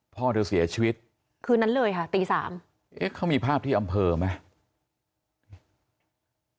พ่อเธอเสียชีวิตคืนนั้นเลยค่ะตีสามเอ๊ะเขามีภาพที่อำเภอไหม